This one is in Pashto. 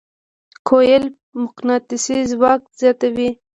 کویل مقناطیسي ځواک زیاتوي.